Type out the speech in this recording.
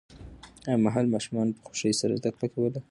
هغه مهال ماشومانو په خوښۍ سره زده کړه کوله.